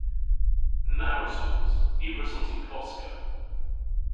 Na wrussons. Ny wrussons i koska.